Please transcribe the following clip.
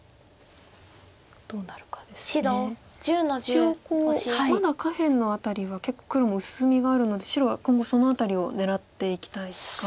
一応まだ下辺の辺りは結構黒も薄みがあるので白は今後その辺りを狙っていきたいですか？